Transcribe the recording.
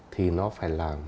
thì nó phải là